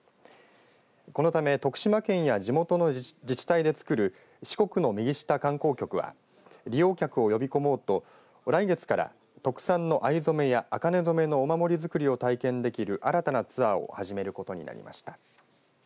このため徳島県や地元の自治体で作る四国の右下観光局は利用客を呼び込もうと来月から特産の藍染めやあかね染めのお守り作りを体験できる新たなツアーを始めることになりました。